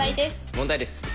問題です。